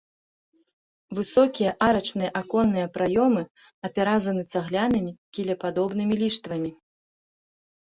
Высокія арачныя аконныя праёмы апяразаны цаглянымі кілепадобнымі ліштвамі.